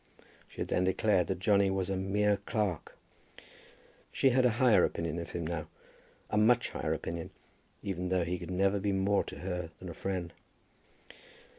She had then declared that Johnny was a "mere clerk." She had a higher opinion of him now, a much higher opinion, even though he could never be more to her than a friend.